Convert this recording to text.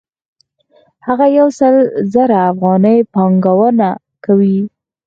هغه یو سل زره افغانۍ پانګونه کوي